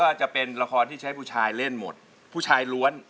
อาจจะเป็นละครที่ใช้ผู้ชายเล่นหมดผู้ชายล้วน